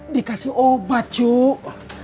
dikasih obat cuk